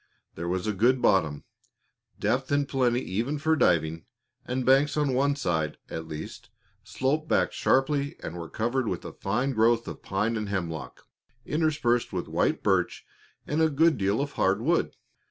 There was a good bottom, depth in plenty even for diving, and the banks on one side, at least, sloped back sharply and were covered with a fine growth of pine and hemlock, interspersed with white birch and a good deal of hard wood.